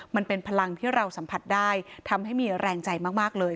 มันเป็นพลังที่เราสัมผัสได้ทำให้มีแรงใจมากเลย